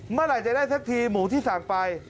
เมื่อไหร่จะได้สักทีหมูที่สั่งไป